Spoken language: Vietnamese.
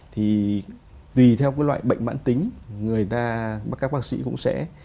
thì tùy theo cái loại bệnh mạn tính người ta các bác sĩ cũng sẽ